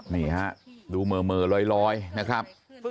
นี่ฮะดูเหม่อลอยนะครับ